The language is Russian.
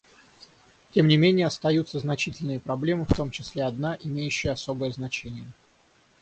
Тем не менее остаются значительные проблемы, в том числе одна, имеющая особое значение.